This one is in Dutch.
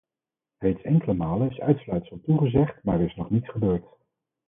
Reeds enkele malen is uitsluitsel toegezegd, maar er is nog niets gebeurd.